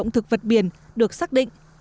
thực vật biển được xác định